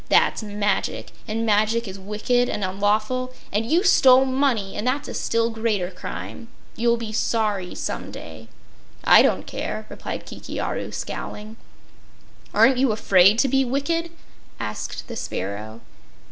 That's magic, and magic is wicked and unlawful; and you stole money, and that's a still greater crime. You'll be sorry, some day." "I don't care," replied Kiki Aru, scowling. "Aren't you afraid to be wicked?" asked the sparrow.